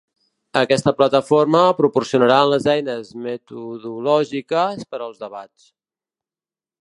Aquesta plataforma proporcionaran les eines metodològiques per als debats.